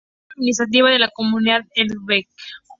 Es la sede administrativa de la comunidad Elbe-Havel-Land.